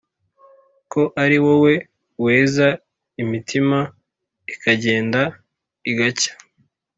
ko ari wowe weza imitima ikagenda igacya